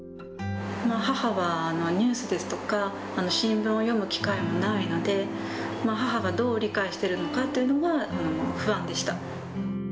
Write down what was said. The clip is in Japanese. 母はニュースですとか、新聞を読む機会もないので、母がどう理解しているのかというのは、不安でした。